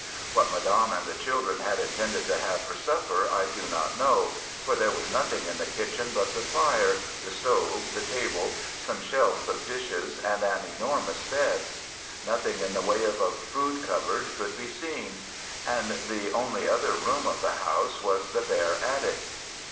What Madame and the children had intended to have for supper I do not know, for there was nothing in the kitchen but the fire, the stove, the table, some shelves of dishes and an enormous bed. Nothing in the way of a food cupboard could be seen. And the only other room of the house was the bare attic.